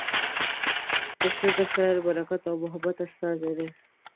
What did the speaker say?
پسه د خیر، برکت او محبت استازی دی.